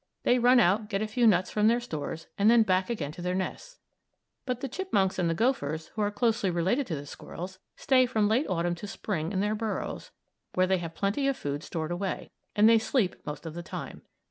They run out, get a few nuts from their stores, and then back again to their nests, but the chipmunks and the gophers, who are closely related to the squirrels, stay from late Autumn to Spring in their burrows, where they have plenty of food stowed away, and they sleep most of the time.